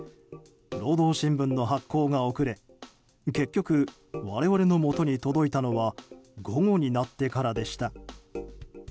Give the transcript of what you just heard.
労働新聞の発行が遅れ結局、我々のもとに届いたのは午後になってからでした。